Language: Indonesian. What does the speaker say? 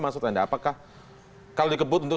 apakah kalau dikebut untuk